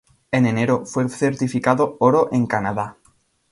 En enero, fue certificado oro en Canadá.